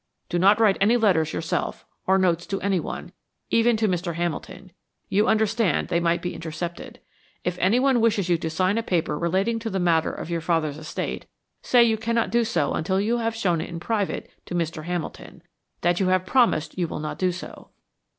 Do not write any letters yourself, or notes to any one, even to Mr. Hamilton; you understand they might be intercepted. If anyone wishes you to sign a paper relating to the matter of your father's estate, say you cannot do so until you have shown it in private to Mr. Hamilton that you have promised you will not do so.